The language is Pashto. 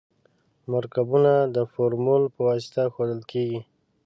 مرکبونه د فورمول په واسطه ښودل کیږي.